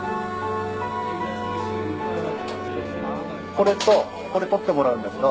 これとこれ取ってもらうんだけど